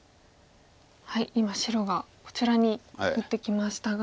今白がこちらに打ってきましたが。